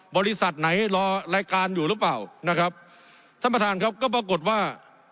บริษัทไหนรอรายการอยู่หรือเปล่านะครับท่านประธานครับก็ปรากฏว่า